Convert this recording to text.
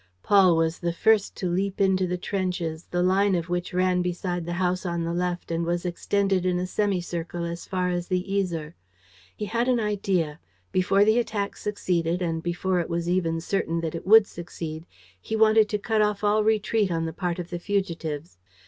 Paul was the first to leap into the trenches, the line of which ran beside the house on the left and was extended in a semicircle as far as the Yser. He had an idea: before the attack succeeded and before it was even certain that it would succeed, he wanted to cut off all retreat on the part of the fugitives.